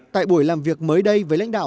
tại buổi làm việc mới đây với lãnh đạo